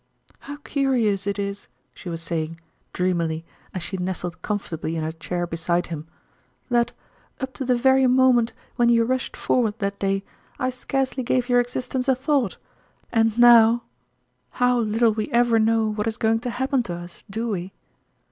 " How curious it is," she was saying, dream ily, as she nestled comfortably in her chair be side him, " that, up to the very moment when you rushed forward that day, I scarcely gave your existence a thought! And now how little we ever know what is going to happen to us, do we